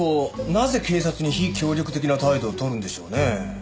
なぜ警察に非協力的な態度を取るんでしょうね？